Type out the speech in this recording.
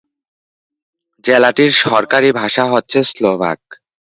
জেলাটির সরকারী ভাষা হচ্ছে স্লোভাক।